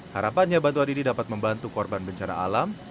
harapannya bantuan ini dapat membantu korban bencana alam